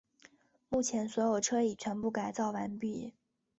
目前所有车已全部改造完毕。